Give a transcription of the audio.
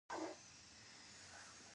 له بهرنیو کلیمو دې ډډه وسي.